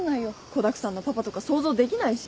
子だくさんのパパとか想像できないし。